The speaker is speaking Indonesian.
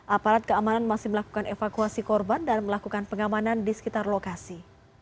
aparat keamanan masih melakukan evakuasi korban dan melakukan pengamanan di sekitar lokasi